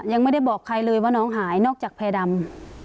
ยังไม่ได้บอกใครเลยว่าน้องหายนอกจากแพร่ดำ